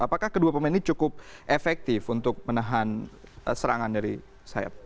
apakah kedua pemain ini cukup efektif untuk menahan serangan dari sayap